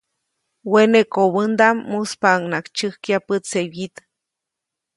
Wene kobädaʼm muspaʼuŋnaʼajk tsyäjkya pätse wyit.